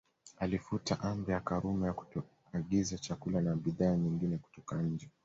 Alifuta Amri ya Karume ya kutoagiza chakula na bidhaa nyingine kutoka nje